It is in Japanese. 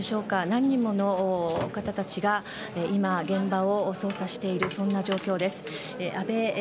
何人もの方たちが今、現場を捜査しているそんな状況です。